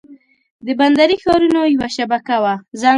د بندري ښارونو یوه شبکه وه.